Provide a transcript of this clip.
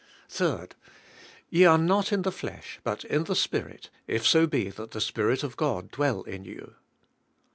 3. "Ye are not in the flesh but in the Spirit if so be that the Spirit of God dwell in you.''